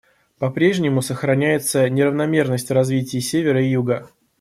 По-прежнему сохраняется неравномерность в развитии Севера и Юга.